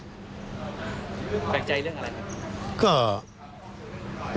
แปลกใจเรื่องอะไรครับ